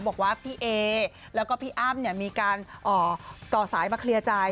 บอกว่าพี่เอแล้วก็พี่อ้ำมีการต่อสายมาเคลียร์ใจ